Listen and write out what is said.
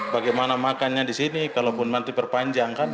bagaimana makannya di sini kalaupun mantri berpanjang kan